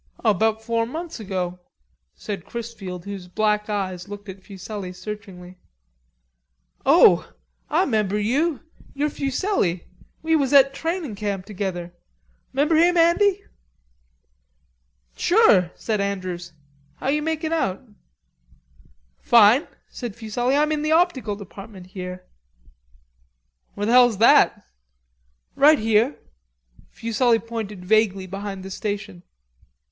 "Oh, 'bout four months ago," said Chrisfield, whose black eyes looked at Fuselli searchingly. "Oh! Ah 'member you. You're Fuselli. We was at trainin' camp together. 'Member him, Andy?" "Sure," said Andrews. "How are you makin' out?" "Fine," said Fuselli. "I'm in the optical department here." "Where the hell's that?" "Right here." Fuselli pointed vaguely behind the station.